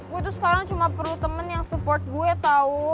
gue tuh sekarang cuma perlu temen yang support gue tau